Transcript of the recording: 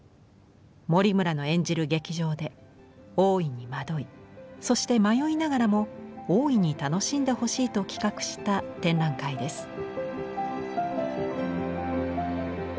森村の演じる劇場で大いに惑いそして迷いながらも大いに楽しんでほしいと企画した展覧会です。